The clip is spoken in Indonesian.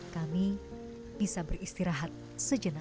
kami bisa beristirahat sejenak